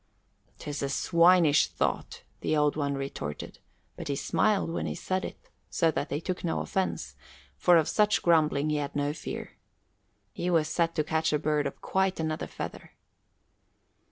"'Tis a swinish thought," the Old One retorted; but he smiled when he said it, so that they took no offense, for of such grumbling he had no fear. He was set to catch a bird of quite another feather.